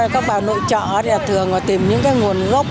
các bà nội chợ thường tìm những nguồn gốc